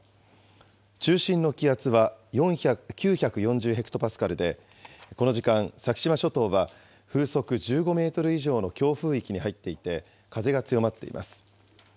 中心の気圧は９４０ヘクトパスカルで、この時間、先島諸島は風速１５メートル以上の強風域に入っていて、風が強まっています。